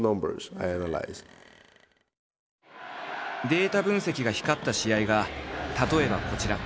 データ分析が光った試合が例えばこちら。